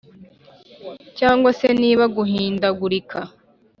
cyangwa se niba guhindagurika.